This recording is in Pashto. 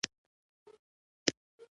نوی رژیم سره همکاري کولای شي.